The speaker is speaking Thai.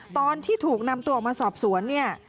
ตอนที่ถูกนำตัวออกมาสอบสวนเนี่ย